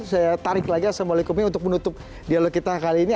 saya tarik lagi assalamualaikumnya untuk menutup dialog kita kali ini